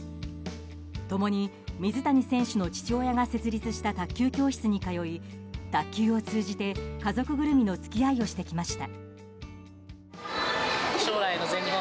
共に水谷選手の父親が設立した卓球教室に通い卓球を通じて家族ぐるみの付き合いをしてきました。